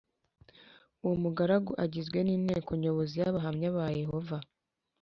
Uwo mugaragu agizwe n inteko nyobozi y abahamya ba yehova